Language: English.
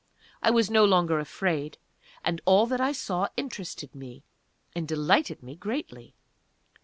I was no longer afraid, and all that I saw interested me, and delighted me greatly.